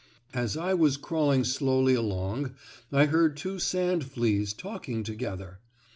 As I was crawling slowly along I heard two sand fleas talking together.